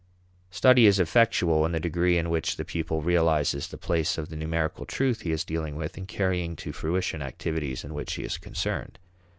Study is effectual in the degree in which the pupil realizes the place of the numerical truth he is dealing with in carrying to fruition activities in which he is concerned.